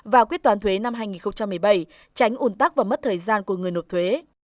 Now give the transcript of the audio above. và quyết toán thuế năm hai nghìn một mươi bảy tránh ủn tắc và mất thời gian của người nộp thuế